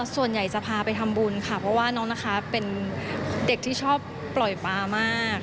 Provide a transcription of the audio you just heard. ส่วนใหญ่จะพาไปทำบุญค่ะเพราะว่าน้องนะคะเป็นเด็กที่ชอบปล่อยปลามาก